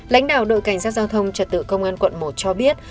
lãnh đạo đội cảnh sát giao thông trật tự công an quận một cho biết